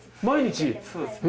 毎日？